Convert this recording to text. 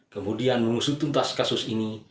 kemudian mengusutuntas kasus ini